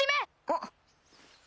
あっ。